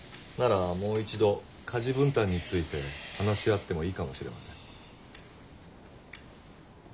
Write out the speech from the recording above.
ならもう一度家事分担について話し合ってもいいかもしれません。